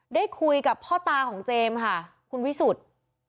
ได้คุยกับพ่อตาของเจมส์ค่ะคุณวิสุทธิ์